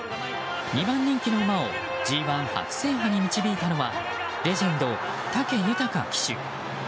２番人気の馬をＧ１初制覇に導いたのはレジェンド、武豊騎手。